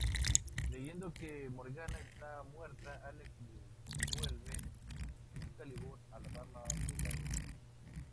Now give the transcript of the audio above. Creyendo que Morgana está muerta, Alex devuelve Excalibur a la Dama del lago.